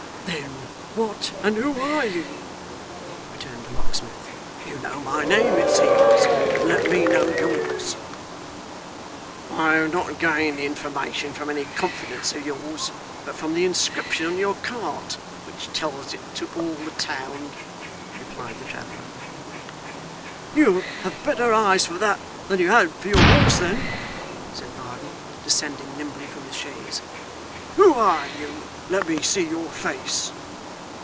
'Then what and who are you?' returned the locksmith. 'You know my name, it seems. Let me know yours.' 'I have not gained the information from any confidence of yours, but from the inscription on your cart which tells it to all the town,' replied the traveller. 'You have better eyes for that than you had for your horse, then,' said Varden, descending nimbly from his chaise; 'who are you? Let me see your face.